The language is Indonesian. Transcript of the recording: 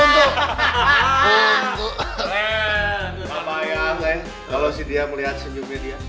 bapak yang lain kalau si dia melihat senyumnya dia